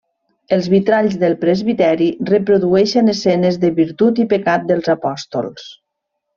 Els vitralls del presbiteri reprodueixen escenes de virtut i pecat dels apòstols.